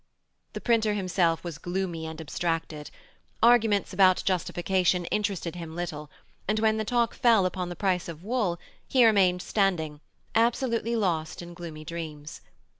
The printer himself was gloomy and abstracted; arguments about Justification interested him little, and when the talk fell upon the price of wool, he remained standing, absolutely lost in gloomy dreams.